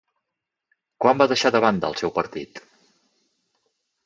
Quan va deixar de banda el seu partit?